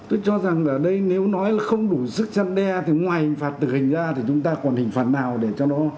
tôi cho rằng ở đây nếu nói là không đủ sức gian đe thì ngoài hình phạt tử hình ra thì chúng ta còn hình phạt nào để cho nó